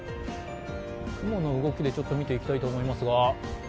雲の動きで見ていきたいと思います。